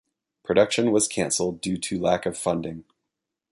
Production was cancelled due to lack of funding.